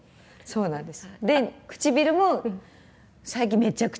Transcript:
そうなんです。